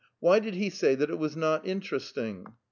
why did he say that it was not interesting?"